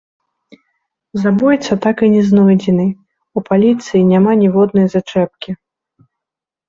Забойца так і не знойдзены, у паліцыі няма ніводнай зачэпкі.